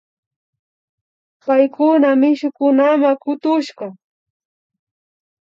Paykuna mishukunama katushka